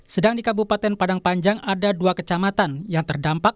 sedang di kabupaten padang panjang ada dua kecamatan yang terdampak